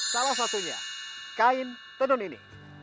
salah satunya kain tenun ini